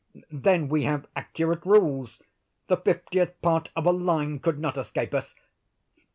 Then we have accurate rules. The fiftieth part of a line could not escape us.